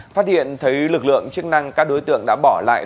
phát hiện thấy lực lượng chức năng các đối tượng đã bỏ lại